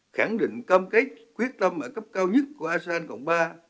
khẳng định cam kết quyết tâm ở cấp cao nhất của asean cộng ba